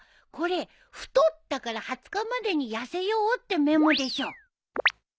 これ太ったから２０日までに痩せようってメモでしょ！